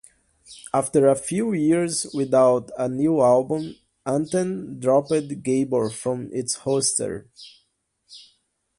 After a few years without a new album, Anthem dropped Gabor from its roster.